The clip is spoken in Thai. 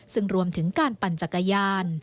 ซึ่งรวมถึงการปั่นจักรยาน